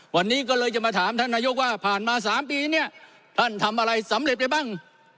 วันนี้ก็เลยจะมาถามท่านนายกว่าผ่านมา๓ปีเนี่ยท่านทำอะไรสำเร็จได้บ้าง